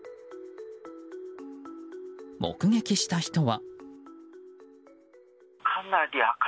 目撃した人は。